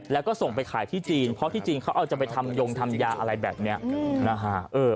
แล้วก็ส่งไปขายที่จีนเพราะที่จริงเขาเอาจะไปทำยงทำยาอะไรแบบนี้นะฮะ